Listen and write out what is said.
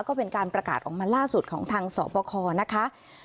ก็เป็นการประกาศออกมาล่าสุดของทางสอบคอนะคะ